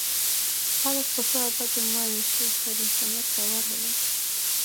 خلک په ښو او بدو مه وویشئ، پر انسانیت باور ولرئ.